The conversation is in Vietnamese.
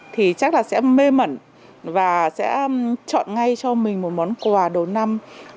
thì chắc là sẽ mê mẩn và sẽ chọn ngay cho mình một món quà đầu năm